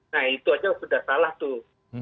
nah itu aja sudah salah tuh